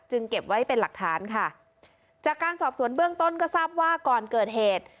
เก็บไว้เป็นหลักฐานค่ะจากการสอบสวนเบื้องต้นก็ทราบว่าก่อนเกิดเหตุ